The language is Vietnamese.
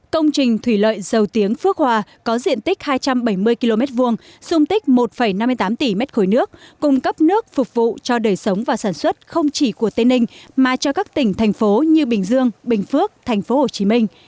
công trình thủy lợi dầu tiếng phước hòa có diện tích hai trăm bảy mươi km hai xung tích một năm mươi tám tỷ mét khối nước cung cấp nước phục vụ cho đời sống và sản xuất không chỉ của tây ninh mà cho các tỉnh thành phố như bình dương bình phước thành phố hồ chí minh